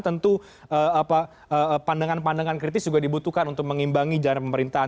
tentu pandangan pandangan kritis juga dibutuhkan untuk mengimbangi jalan pemerintahan